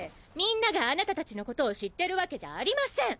皆があなた達のことを知ってるワケじゃありません！